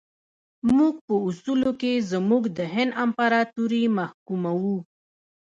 موږ په اصولو کې زموږ د هند امپراطوري محکوموو.